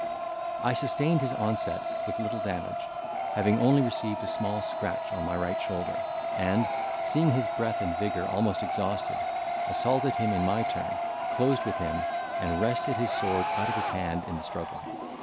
I sustained his onset with little damage, having only received a small scratch on my right shoulder, and, seeing his breath and vigour almost exhausted, assaulted him in my turn, closed with him, and wrested his sword out of his hand in the struggle.